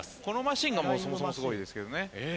このマシンがそもそもすごいですけどね。